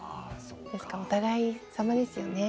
ですからお互い様ですよね。